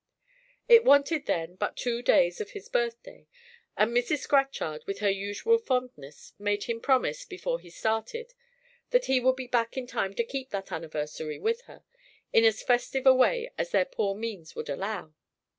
It wanted then but two days of his birthday; and Mrs. Scatchard, with her usual fondness, made him promise, before he started, that he would be back in time to keep that anniversary with her, in as festive a way as their poor means would allow.